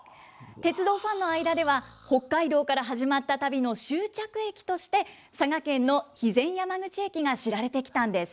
鉄道ファンの間では、北海道から始まった旅の終着駅として、佐賀県の肥前山口駅が知られてきたんです。